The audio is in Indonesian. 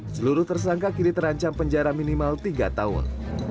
seluruh tersangka kini terancam penjara minimal tiga tahun